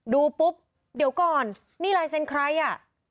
ดูปุ๊บเดี๋ยวก่อนนี่ลายเซ็นต์ใครอ่ะ